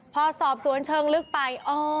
พอสอบสวนเชิงลึกไป